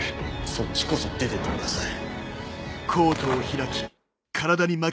そっちこそ出てってください。